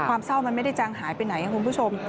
ความเศร้ามันไม่ได้จางหายไปไหนคุณผู้ชม